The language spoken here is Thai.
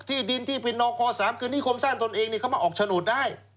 ที่ดินที่ปิดนอคอ๓คือนิคคมสั้นตนเองผมได้มาออกฉโดดได้